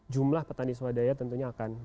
jumlah petani swadaya tentunya akan